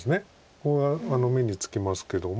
ここが目につきますけども。